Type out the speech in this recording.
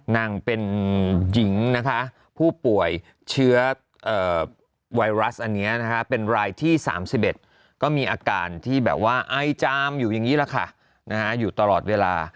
นางเกาเป็นผู้ป่วยเชื้อไวรัสเป็นรายที่๓๑ก็มีอาการ๕๕๕๕๕ที่ไอ้จ้ามอยู่ตลอดเวลา